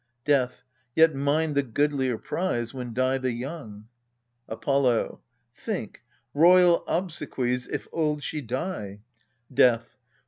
Death. Yet mine the goodlier prize when die the young. Apollo. Think royal obsequies if old she die! Death.